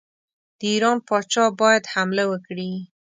د ایران پاچا باید حمله وکړي.